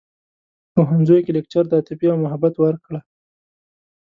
په پوهنځیوکې لکچر د عاطفې او محبت ورکړی